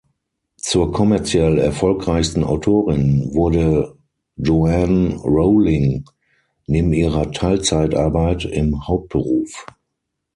Zur kommerziell erfolgreichsten Autorin wurde Joanne Rowling neben ihrer Teilzeitarbeit im Hauptberuf.